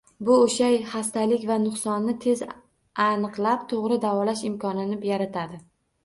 Bu o‘sha xastalik va nuqsonni tez aniqlab, to‘g‘ri davolash imkonini yaratadi